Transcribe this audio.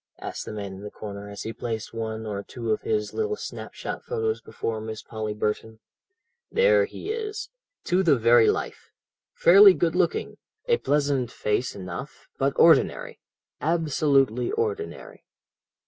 asked the man in the corner as he placed one or two of his little snap shot photos before Miss Polly Burton. "There he is, to the very life. Fairly good looking, a pleasant face enough, but ordinary, absolutely ordinary.